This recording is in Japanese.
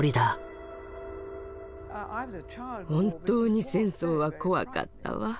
本当に戦争は怖かったわ。